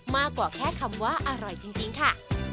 มากกว่าแค่คำว่าอร่อยจริงค่ะ